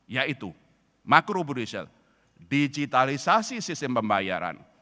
yaitu makro brizil digitalisasi sistem pembayaran